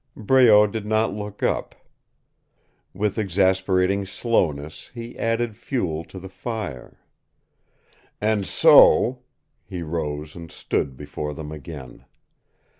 Breault did not look up. With, exasperating slowness he added fuel to the fire. "And so " He rose and stood before them again.